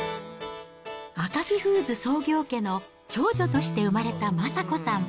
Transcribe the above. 赤城フーズ創業家の長女として生まれた昌子さん。